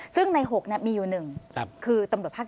ซึ่งใน๖มีอยู่๑คือตำรวจภาค๗